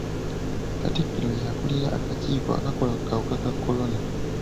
Katikkiro y'akuulira akakiiko akakola ku kawuka ka kolona.